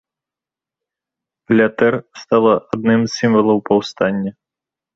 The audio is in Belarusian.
Плятэр стала адным з сімвалаў паўстання.